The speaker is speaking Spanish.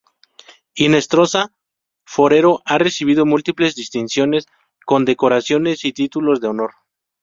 Hinestrosa Forero ha recibido múltiples distinciones, condecoraciones y títulos de honor.